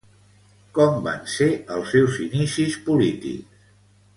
Com van ser els seus inicis polítics?